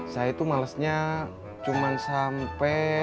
saya itu malesnya cuma sampai